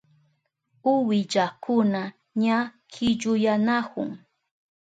Uwillakuna ña killuyanahun.